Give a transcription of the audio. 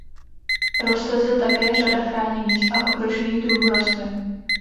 Roste zde také řada chráněných a ohrožených druhů rostlin.